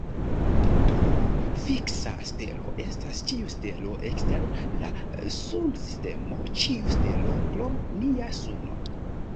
Do, fiksa stelo estas ĉiu stelo ekster la sunsistemo, ĉiu stelo krom nia suno.